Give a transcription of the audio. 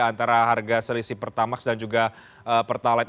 antara harga selisih pertamax dan juga pertalite